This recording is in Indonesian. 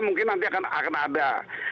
mungkin nanti akan ada